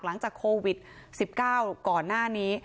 หลังจากโควิด๑๙ก่อนหน้านี้